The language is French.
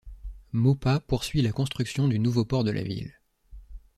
Maupas poursuit la construction du nouveau port de la ville.